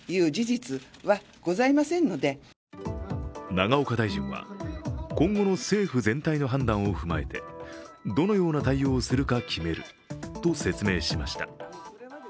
永岡大臣は、今後の政府全体の判断を踏まえてどのような対応をするか決めると説明しました。